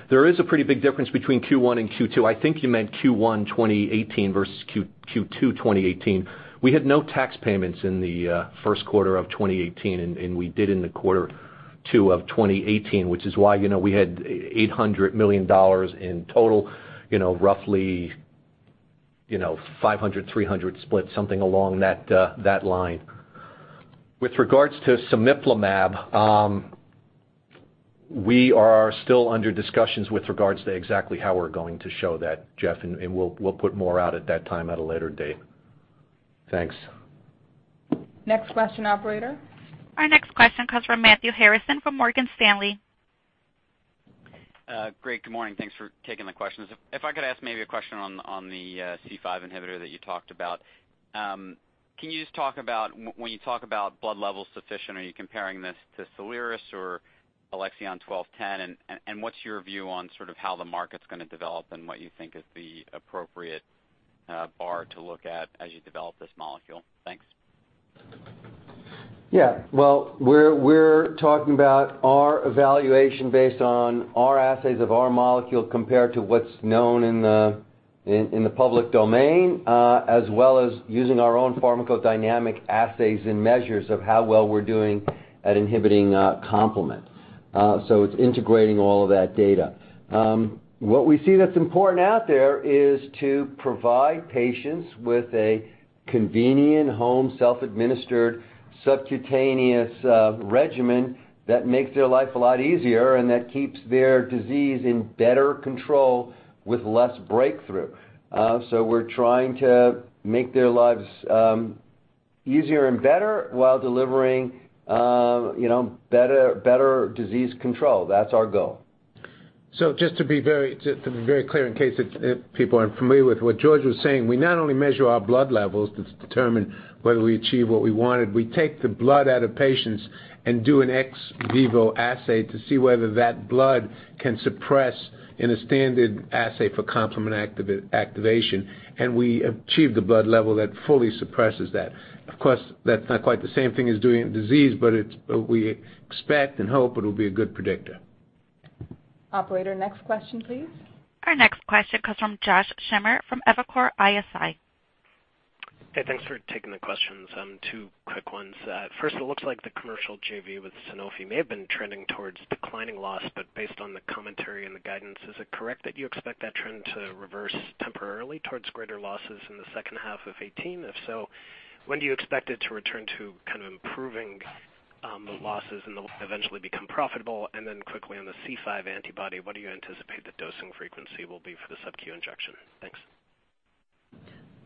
there is a pretty big difference between Q1 and Q2. I think you meant Q1 2018 versus Q2 2018. We had no tax payments in the 1st quarter of 2018. We did in the 2nd quarter of 2018, which is why we had $800 million in total, roughly $500 million, $300 million split, something along that line. With regards to cemiplimab, we are still under discussions with regards to exactly how we're going to show that, Geoff. We'll put more out at that time at a later date. Thanks. Next question, Operator. Our next question comes from Matthew Harrison from Morgan Stanley. Great. Good morning. Thanks for taking the questions. f I could ask maybe a question on the C5 inhibitor that you talked about. Can you just talk about, when you talk about blood levels sufficient, are you comparing this to SOLIRIS or ALXN1210? What's your view on how the market's going to develop and what you think is the appropriate bar to look at as you develop this molecule? Thanks. We're talking about our evaluation based on our assays of our molecule compared to what's known in the public domain, as well as using our own pharmacodynamic assays and measures of how well we're doing at inhibiting complement. It's integrating all of that data. What we see that's important out there is to provide patients with a convenient, home, self-administered, subcutaneous regimen that makes their life a lot easier and that keeps their disease in better control with less breakthrough. We're trying to make their lives easier and better while delivering better disease control. That's our goal. Just to be very clear, in case people aren't familiar with what George was saying, we not only measure our blood levels to determine whether we achieve what we wanted, we take the blood out of patients and do an ex vivo assay to see whether that blood can suppress in a standard assay for complement activation, we achieve the blood level that fully suppresses that. Of course, that's not quite the same thing as doing a disease, we expect and hope it'll be a good predictor. Operator, next question, please. Our next question comes from Josh Schimmer from Evercore ISI. Hey, thanks for taking the questions. Two quick ones. First, it looks like the commercial JV with Sanofi may have been trending towards declining loss, based on the commentary and the guidance, is it correct that you expect that trend to reverse temporarily towards greater losses in the second half of 2018? If so, when do you expect it to return to kind of improving the losses and they'll eventually become profitable? Quickly on the C5 antibody, what do you anticipate the dosing frequency will be for the subcu injection? Thanks.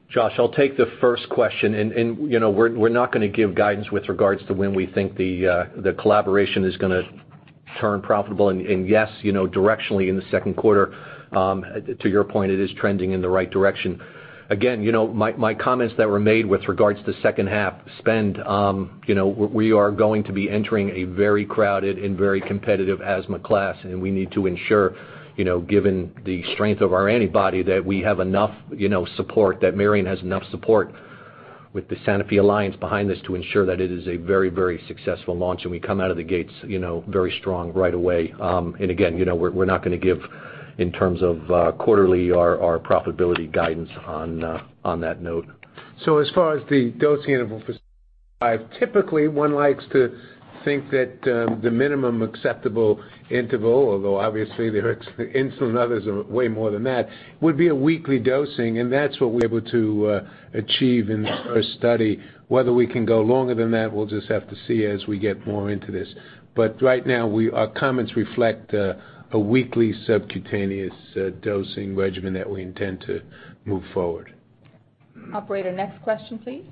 Josh, I'll take the first question. We're not going to give guidance with regards to when we think the collaboration is going to turn profitable. Yes, directionally in the second quarter, to your point, it is trending in the right direction. Again, my comments that were made with regards to second half spend, we are going to be entering a very crowded and very competitive asthma class, and we need to ensure, given the strength of our antibody, that we have enough support, that Marion has enough support with the Sanofi alliance behind this to ensure that it is a very successful launch and we come out of the gates very strong right away. Again, we're not going to give in terms of quarterly our profitability guidance on that note. As far as the dosing interval for typically one likes to think that the minimum acceptable interval, although obviously there are insulin and others are way more than that, would be a weekly dosing, and that's what we're able to achieve in the first study. Whether we can go longer than that, we'll just have to see as we get more into this. Right now, our comments reflect a weekly subcutaneous dosing regimen that we intend to move forward. Operator, next question, please.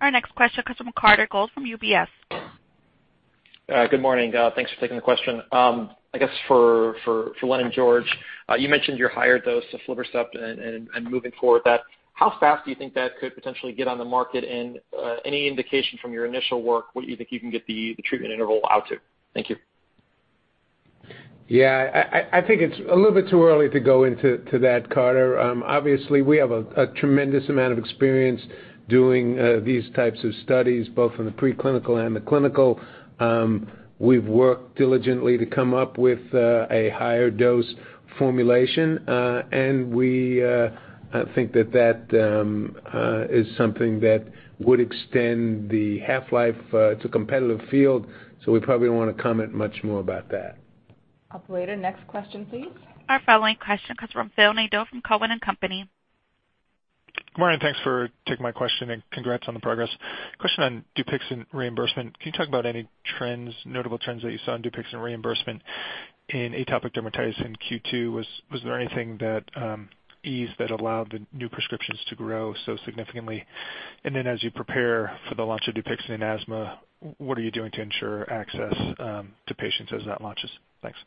Our next question comes from Carter Gould from UBS. Good morning. Thanks for taking the question. I guess for Len and George, you mentioned your higher dose of aflibercept and moving forward that, how fast do you think that could potentially get on the market? And any indication from your initial work what you think you can get the treatment interval out to? Thank you. I think it's a little bit too early to go into that, Carter. Obviously, we have a tremendous amount of experience doing these types of studies, both in the pre-clinical and the clinical. We've worked diligently to come up with a higher dose formulation, and we think that is something that would extend the half-life to competitive field. We probably don't want to comment much more about that. Operator, next question, please. Our following question comes from Phil Nadeau from Cowen and Company. Morning, thanks for taking my question and congrats on the progress. Question on DUPIXENT reimbursement. Can you talk about any notable trends that you saw in DUPIXENT reimbursement in atopic dermatitis in Q2? Was there anything that eased that allowed the new prescriptions to grow so significantly? As you prepare for the launch of DUPIXENT in asthma, what are you doing to ensure access to patients as that launches? Thanks.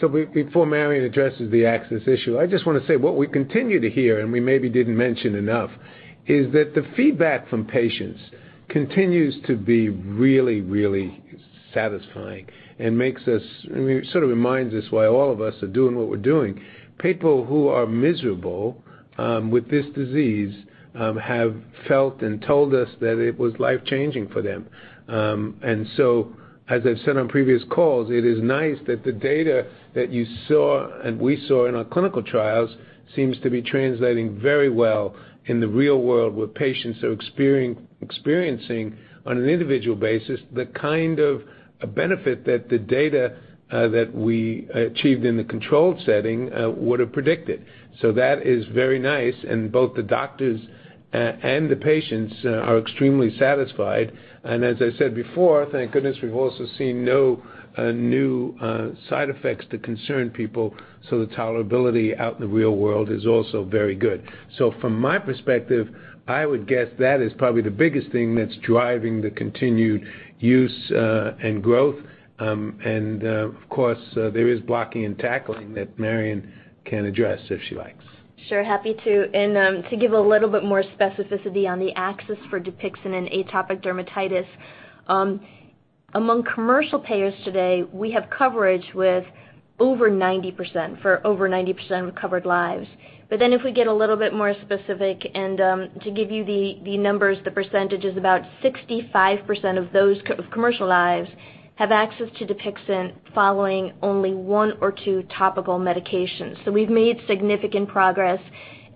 Before Marion addresses the access issue, I just want to say what we continue to hear, we maybe didn't mention enough, is that the feedback from patients continues to be really satisfying and sort of reminds us why all of us are doing what we're doing. People who are miserable with this disease have felt and told us that it was life-changing for them. As I've said on previous calls, it is nice that the data that you saw and we saw in our clinical trials seems to be translating very well in the real world where patients are experiencing on an individual basis the kind of benefit that the data that we achieved in the controlled setting would have predicted. That is very nice, and both the doctors and the patients are extremely satisfied. As I said before, thank goodness we've also seen no new side effects to concern people, the tolerability out in the real world is also very good. From my perspective, I would guess that is probably the biggest thing that's driving the continued use and growth. Of course, there is blocking and tackling that Marion can address if she likes. Sure, happy to. To give a little bit more specificity on the access for DUPIXENT in atopic dermatitis. Among commercial payers today, we have coverage with over 90% for over 90% of covered lives. If we get a little bit more specific and to give you the numbers, the percentage is about 65% of those commercial lives have access to DUPIXENT following only one or two topical medications. We've made significant progress,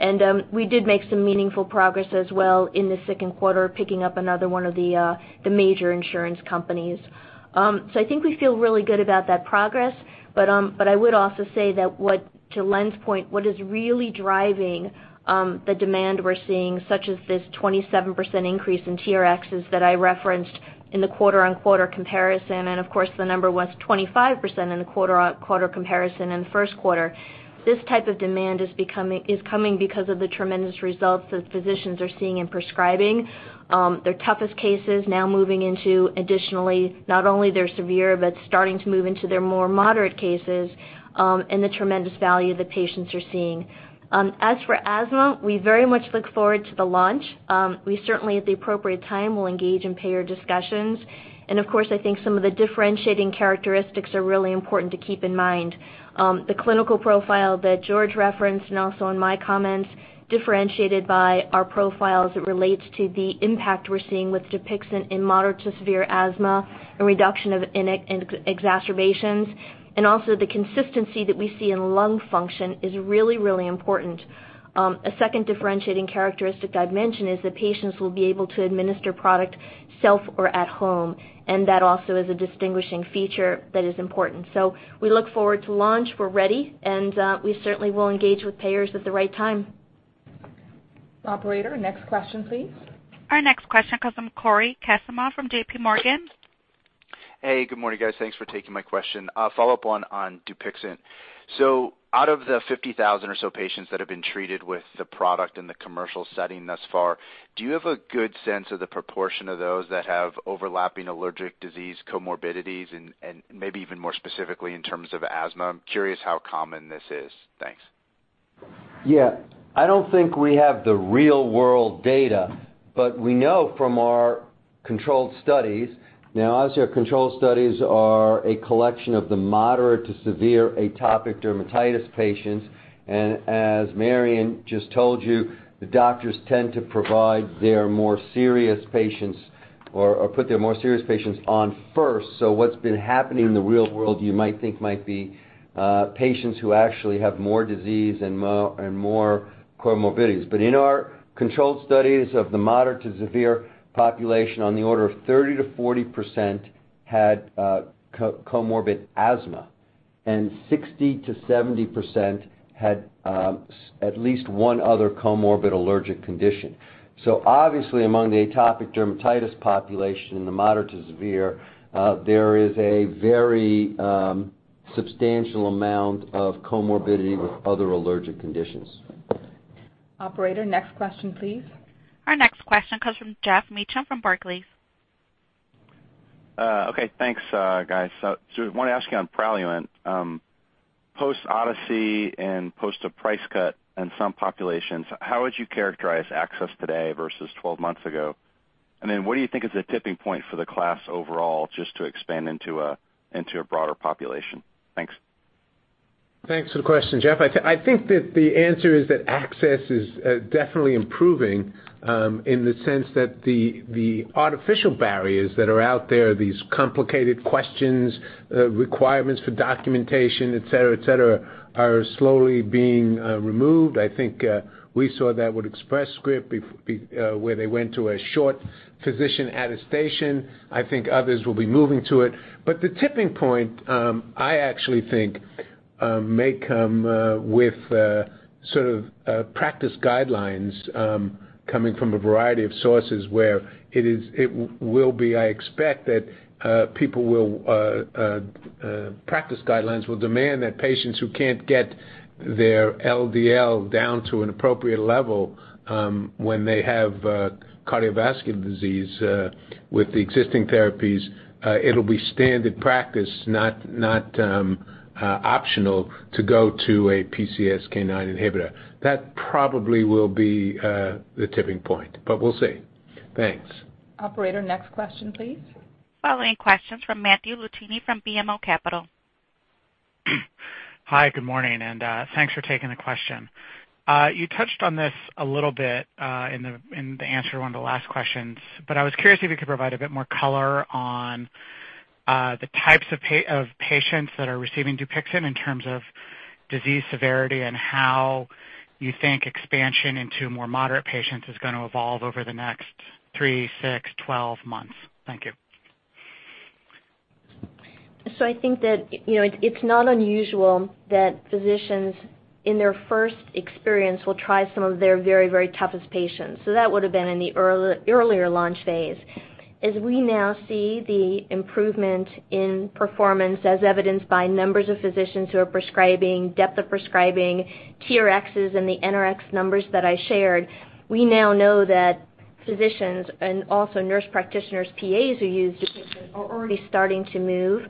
and we did make some meaningful progress as well in the second quarter, picking up another one of the major insurance companies. I think we feel really good about that progress, but I would also say that to Len's point, what is really driving the demand we're seeing, such as this 27% increase in TRxs that I referenced in the quarter-on-quarter comparison, and of course the number was 25% in the quarter-on-quarter comparison in the first quarter. This type of demand is coming because of the tremendous results that physicians are seeing in prescribing their toughest cases now moving into additionally, not only their severe, but starting to move into their more moderate cases, and the tremendous value that patients are seeing. As for asthma, we very much look forward to the launch. We certainly at the appropriate time will engage in payer discussions. Of course, I think some of the differentiating characteristics are really important to keep in mind. The clinical profile that George referenced and also in my comments differentiated by our profile as it relates to the impact we're seeing with DUPIXENT in moderate to severe asthma and reduction of exacerbations. Also the consistency that we see in lung function is really important. A second differentiating characteristic I'd mention is that patients will be able to administer product self or at home, and that also is a distinguishing feature that is important. We look forward to launch. We're ready, and we certainly will engage with payers at the right time. Operator, next question, please. Our next question comes from Cory Kasimov from J.P. Morgan. Hey, good morning, guys. Thanks for taking my question. A follow-up on DUPIXENT. Out of the 50,000 or so patients that have been treated with the product in the commercial setting thus far, do you have a good sense of the proportion of those that have overlapping allergic disease comorbidities and maybe even more specifically in terms of asthma? I'm curious how common this is. Thanks. Yeah. I don't think we have the real-world data, but we know from our controlled studies. Obviously, our controlled studies are a collection of the moderate to severe atopic dermatitis patients, and as Marion just told you, the doctors tend to provide their more serious patients or put their more serious patients on first. What's been happening in the real world, you might think, might be patients who actually have more disease and more comorbidities. In our controlled studies of the moderate to severe population, on the order of 30%-40% had comorbid asthma, and 60%-70% had at least one other comorbid allergic condition. Obviously among the atopic dermatitis population, in the moderate to severe, there is a very substantial amount of comorbidity with other allergic conditions. Operator, next question, please. Our next question comes from Geoff Meacham from Barclays. Okay, thanks guys. Just wanted to ask you on PRALUENT. Post Odyssey and post a price cut in some populations, how would you characterize access today versus 12 months ago? What do you think is the tipping point for the class overall, just to expand into a broader population? Thanks. Thanks for the question, Geoff. I think that the answer is that access is definitely improving, in the sense that the artificial barriers that are out there, these complicated questions, requirements for documentation, et cetera, are slowly being removed. I think we saw that with Express Scripts, where they went to a short physician attestation. I think others will be moving to it. The tipping point, I actually think may come with practice guidelines coming from a variety of sources where it will be, I expect that practice guidelines will demand that patients who can't get their LDL down to an appropriate level when they have cardiovascular disease with the existing therapies, it'll be standard practice, not optional, to go to a PCSK9 inhibitor. That probably will be the tipping point, but we'll see. Thanks. Operator, next question, please. Following questions from Matthew Luchini from BMO Capital Markets. Hi, good morning, and thanks for taking the question. I was curious if you could provide a bit more color on the types of patients that are receiving DUPIXENT in terms of disease severity and how you think expansion into more moderate patients is going to evolve over the next three, six, 12 months. Thank you. I think that it's not unusual that physicians in their first experience will try some of their very toughest patients. That would've been in the earlier launch phase. As we now see the improvement in performance as evidenced by numbers of physicians who are prescribing, depth of prescribing, TRXs and the NBRx numbers that I shared, we now know that physicians and also nurse practitioners, PAs who use DUPIXENT are already starting to move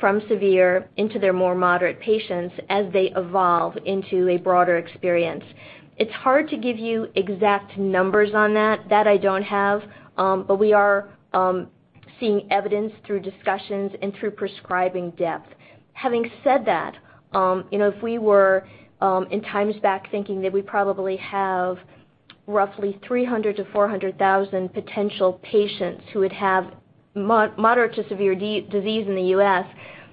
from severe into their more moderate patients as they evolve into a broader experience. It's hard to give you exact numbers on that. That I don't have. We are seeing evidence through discussions and through prescribing depth. Having said that, if we were in times back thinking that we probably have roughly 300,000 to 400,000 potential patients who would have moderate to severe disease in the U.S.,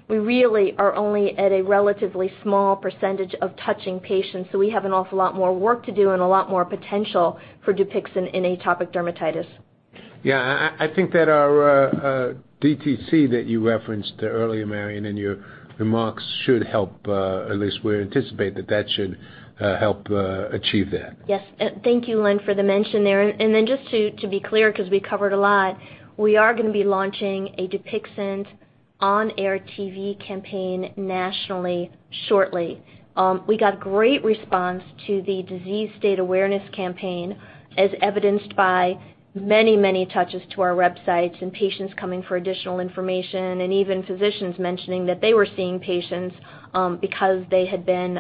we really are only at a relatively small percentage of touching patients. We have an awful lot more work to do and a lot more potential for DUPIXENT in atopic dermatitis. Yeah, I think that our DTC that you referenced earlier, Marion, in your remarks should help. At least we anticipate that that should help achieve that. Yes. Thank you, Len, for the mention there. Just to be clear, because we covered a lot, we are going to be launching a DUPIXENT on-air TV campaign nationally shortly. We got great response to the disease state awareness campaign, as evidenced by many touches to our websites and patients coming for additional information, and even physicians mentioning that they were seeing patients because they had been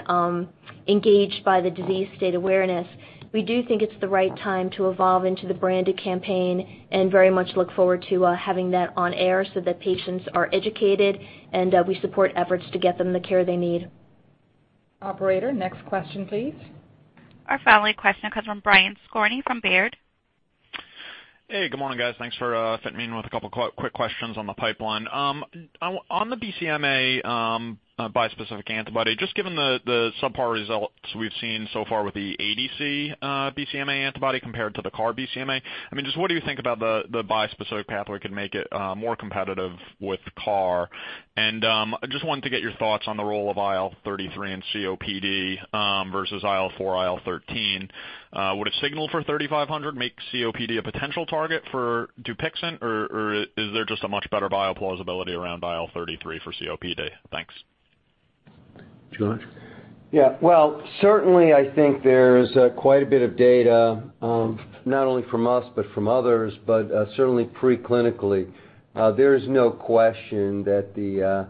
engaged by the disease state awareness. We do think it's the right time to evolve into the branded campaign and very much look forward to having that on air so that patients are educated, and we support efforts to get them the care they need. Operator, next question, please. Our following question comes from Brian Skorney from Baird. Hey, good morning, guys. Thanks for fitting me in with a couple quick questions on the pipeline. On the BCMA bispecific antibody, just given the subpar results we've seen so far with the ADC BCMA antibody compared to the CAR BCMA, just what do you think about the bispecific pathway could make it more competitive with CAR? I just wanted to get your thoughts on the role of IL-33 in COPD versus IL-4, IL-13. Would a signal for REGN3500 make COPD a potential target for DUPIXENT, or is there just a much better bio-plausibility around IL-33 for COPD? Thanks. George? Yeah. Well, certainly I think there's quite a bit of data, not only from us, but from others, but certainly pre-clinically. There is no question that the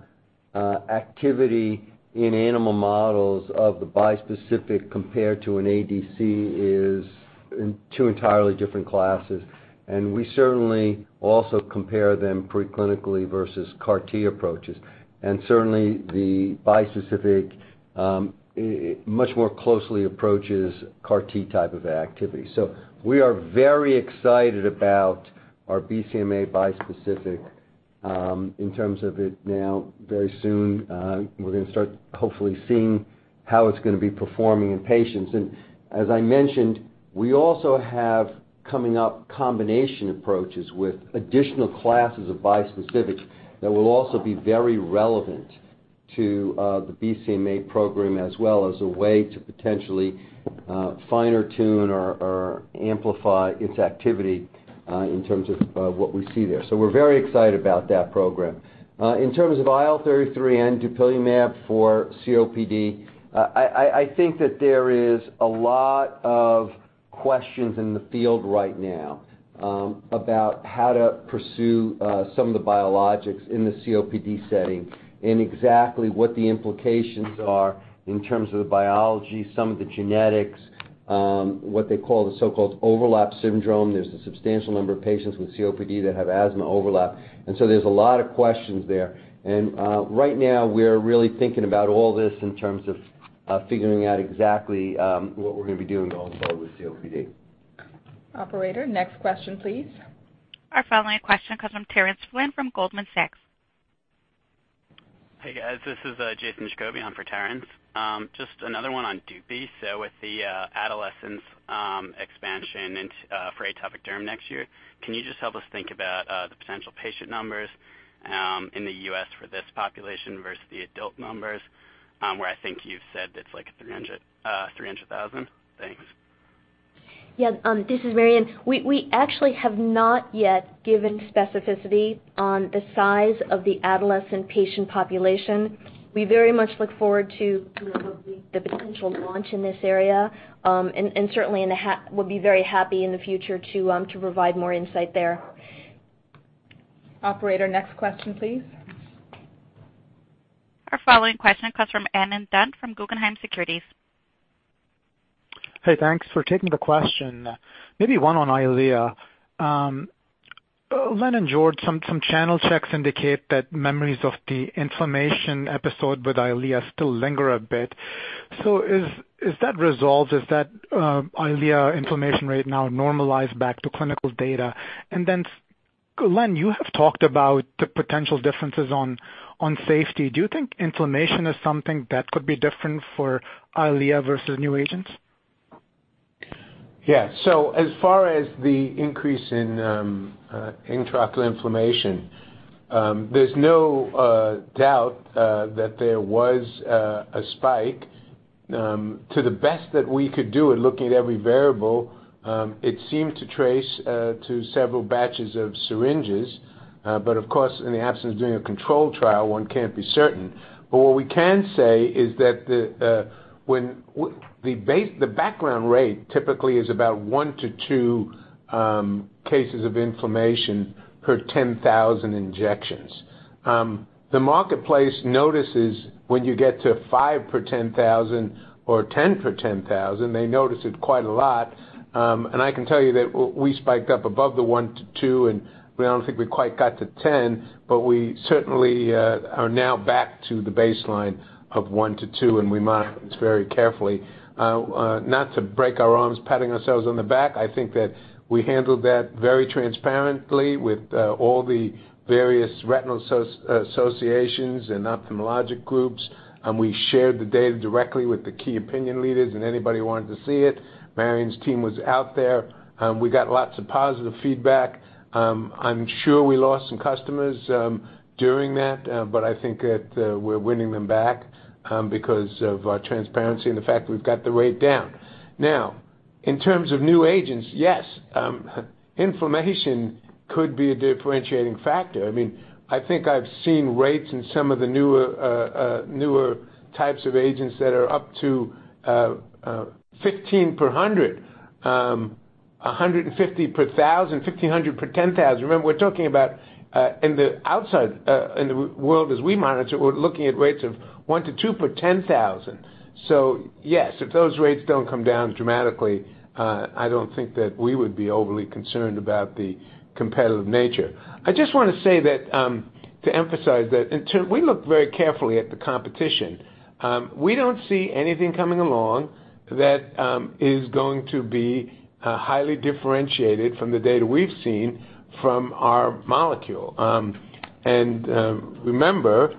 activity in animal models of the bispecific compared to an ADC is two entirely different classes. We certainly also compare them preclinically versus CAR T approaches. Certainly, the bispecific much more closely approaches CAR T type of activity. We are very excited about our BCMA bispecific in terms of it now, very soon, we're going to start hopefully seeing how it's going to be performing in patients. As I mentioned, we also have coming up combination approaches with additional classes of bispecifics that will also be very relevant to the BCMA program, as well as a way to potentially fine-tune or amplify its activity in terms of what we see there. We're very excited about that program. In terms of IL-33 and dupilumab for COPD, I think that there is a lot of questions in the field right now about how to pursue some of the biologics in the COPD setting and exactly what the implications are in terms of the biology, some of the genetics, what they call the so-called overlap syndrome. There's a substantial number of patients with COPD that have asthma overlap, and so there's a lot of questions there. Right now, we're really thinking about all this in terms of figuring out exactly what we're going to be doing going forward with COPD. Operator, next question, please. Our following question comes from Terence Flynn from Goldman Sachs. Hey, guys, this is Jason Jakoby on for Terence. Just another one on Dupi. With the adolescence expansion for atopic derm next year, can you just help us think about the potential patient numbers in the U.S. for this population versus the adult numbers, where I think you've said it's like 300,000? Thanks. Yeah. This is Marion. We actually have not yet given specificity on the size of the adolescent patient population. We very much look forward to the potential launch in this area, and certainly would be very happy in the future to provide more insight there. Operator, next question, please. Our following question comes from Vamil Divan from Guggenheim Securities. Hey, thanks for taking the question. Maybe one on EYLEA. Len and George, some channel checks indicate that memories of the inflammation episode with EYLEA still linger a bit. Is that resolved? Is that EYLEA inflammation rate now normalized back to clinical data? Len, you have talked about the potential differences on safety. Do you think inflammation is something that could be different for EYLEA versus new agents? Yeah. As far as the increase in intraocular inflammation, there's no doubt that there was a spike. To the best that we could do at looking at every variable, it seemed to trace to several batches of syringes. Of course, in the absence of doing a control trial, one can't be certain. What we can say is that the background rate typically is about one to two cases of inflammation per 10,000 injections. The marketplace notices when you get to five per 10,000 or 10 per 10,000. They notice it quite a lot. I can tell you that we spiked up above the one to two, and I don't think we quite got to 10, but we certainly are now back to the baseline of one to two, and we monitor this very carefully. Not to break our arms patting ourselves on the back, I think that we handled that very transparently with all the various retinal associations and ophthalmologic groups. We shared the data directly with the key opinion leaders and anybody who wanted to see it. Marion's team was out there. We got lots of positive feedback. I'm sure we lost some customers during that, I think that we're winning them back because of our transparency and the fact that we've got the rate down. In terms of new agents, yes, inflammation could be a differentiating factor. I think I've seen rates in some of the newer types of agents that are up to 15 per 100, 150 per 1,000, 1,500 per 10,000. Remember, we're talking about in the outside world as we monitor, we're looking at rates of one to two per 10,000. Yes, if those rates don't come down dramatically, I don't think that we would be overly concerned about the competitive nature. I just want to say that to emphasize that we look very carefully at the competition. We don't see anything coming along that is going to be highly differentiated from the data we've seen from our molecule. Remember,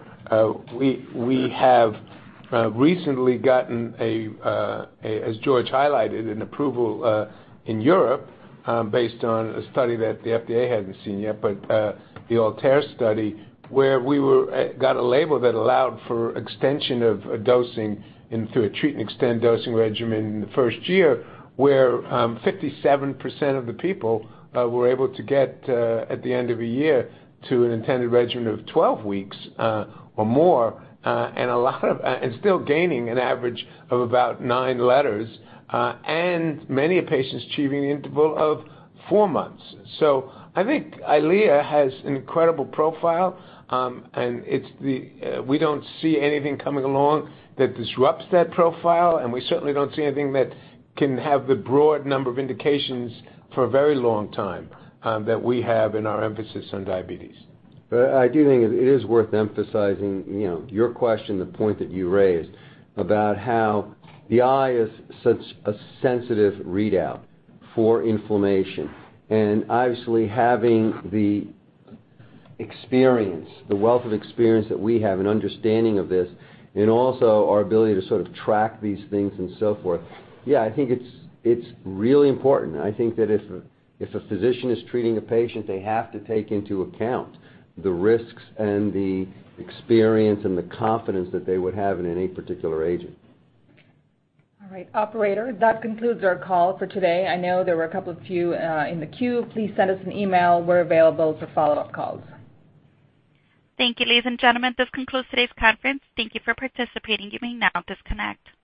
we have recently gotten, as George highlighted, an approval in Europe based on a study that the FDA hadn't seen yet. The ALTAIR study, where we got a label that allowed for extension of dosing through a treat and extend dosing regimen in the first year, where 57% of the people were able to get at the end of a year to an intended regimen of 12 weeks or more, and still gaining an average of about nine letters, and many a patients achieving the interval of four months. I think EYLEA has an incredible profile, and we don't see anything coming along that disrupts that profile, and we certainly don't see anything that can have the broad number of indications for a very long time that we have in our emphasis on diabetes. I do think it is worth emphasizing your question, the point that you raised about how the eye is such a sensitive readout for inflammation. Obviously, having the wealth of experience that we have and understanding of this, and also our ability to sort of track these things and so forth, yeah, I think it's really important. I think that if a physician is treating a patient, they have to take into account the risks and the experience and the confidence that they would have in any particular agent. All right. Operator, that concludes our call for today. I know there were a couple of few in the queue. Please send us an email. We're available for follow-up calls. Thank you, ladies and gentlemen. This concludes today's conference. Thank you for participating. You may now disconnect.